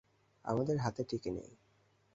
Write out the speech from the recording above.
আমাদের হাতে টিকে নেই?